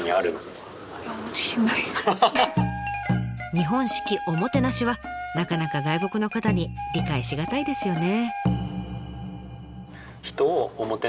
日本式おもてなしはなかなか外国の方に理解し難いですよね。